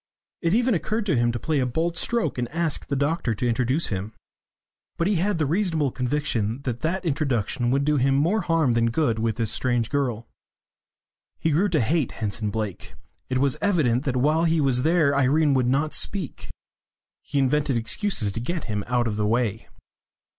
It even occurred to him to play a bold stroke and ask the doctor to introduce him. But he had the reasonable conviction that that introduction would do him more harm than good with this strange girl. He grew to hate Henson Blake; it was evident that while he was there Irene would not speak. He invented excuses to get him out of the way.